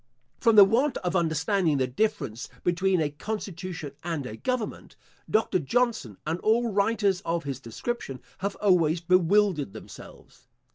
From the want of understanding the difference between a constitution and a government, Dr. Johnson, and all writers of his description, have always bewildered themselves.